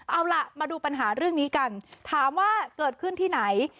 เอาล่ะมาดูปัญหาเรื่องนี้กันถามว่าเกิดขึ้นที่ไหน